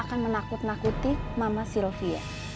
akan menakut nakuti mama sylvia